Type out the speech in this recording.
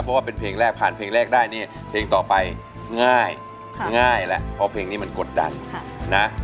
เพราะว่าเป็นเพลงแรกผ่านเพลงแรกได้เนี่ยเพลงต่อไปง่ายง่ายแหละเพราะเพลงนี้มันกดดันนะ